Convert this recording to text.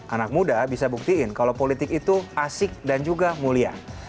anak muda bisa buktiin kalau politik itu asik dan juga mulia